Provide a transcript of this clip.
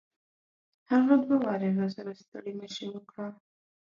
هغه دوه واري راسره ستړي مشي وکړه.